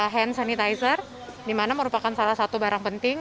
hand sanitizer di mana merupakan salah satu barang penting